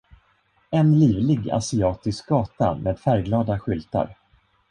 En livlig asiatisk gata med färgglada skyltar.